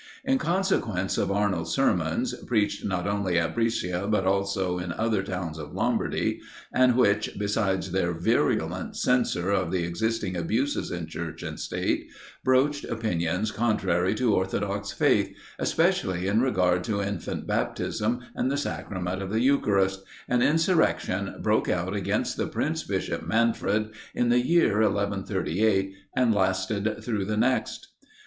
In consequence of Arnold's sermons preached not only at Brescia, but also in other towns of Lombardy, and which, besides their virulent censure of the existing abuses in Church and State, broached opinions contrary to orthodox faith, especially in regard to infant baptism, and the sacrament of the Eucharist, an insurrection broke out against the Prince Bishop Manfred, in the year 1138, and lasted through the next.